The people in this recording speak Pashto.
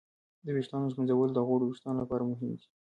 د ویښتانو ږمنځول د غوړو وېښتانو لپاره مهم دي.